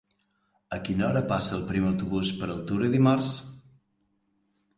A quina hora passa el primer autobús per Altura dimarts?